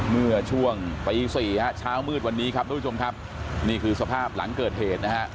เมื่อช่วงประยิกษุ๔เช้ามืดวันนี้ครับนี่คือสภาพหลังเกิดเหตุ